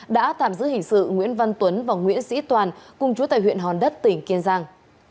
đã tạm giữ hình sự nguyễn văn tuấn và nguyễn sĩ toàn cùng chú tại huyện hòn đất tỉnh kiên giang